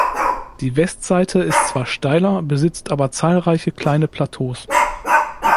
Die Westseite ist zwar steiler, besitzt aber zahlreiche kleine Plateaus.